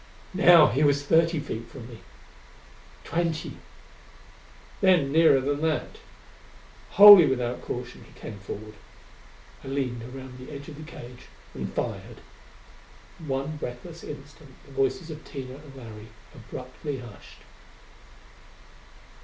Now he was thirty feet from me.... Twenty.... Then nearer than that. Wholly without caution he came forward.... I leaned around the edge of the cage and fired. For one breathless instant the voices of Tina and Larry abruptly hushed.